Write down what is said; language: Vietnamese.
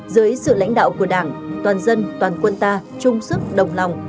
dưới sự lãnh đạo của đảng toàn dân toàn quân ta chung sức đồng lòng